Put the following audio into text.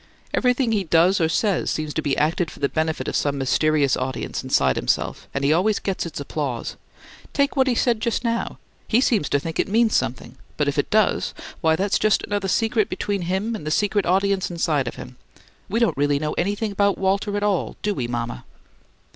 "Everything he does or says seems to be acted for the benefit of some mysterious audience inside himself, and he always gets its applause. Take what he said just now: he seems to think it means something, but if it does, why, that's just another secret between him and the secret audience inside of him! We don't really know anything about Walter at all, do we, mama?"